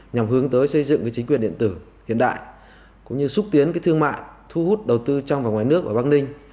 nhằm hướng tới xây dựng chính quyền điện tử hiện đại cũng như xúc tiến thương mại thu hút đầu tư trong và ngoài nước ở bắc ninh